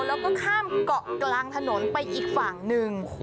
แล้วก็ข้ามเกาะกลางถนนไปอีกฝั่งหนึ่ง